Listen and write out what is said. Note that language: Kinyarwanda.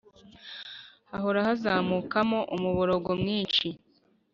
hahora hazamukamo umuborogo mwinshi,